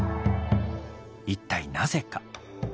一体なぜか。